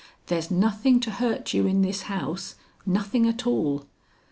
There's nothing to hurt you in this house; nothing at all."